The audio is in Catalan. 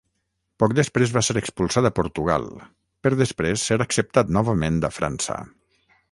Poc després va ser expulsat a Portugal, per després ser acceptat novament a França.